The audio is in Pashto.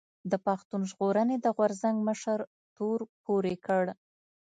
د پښتون ژغورنې د غورځنګ مشر تور پورې کړ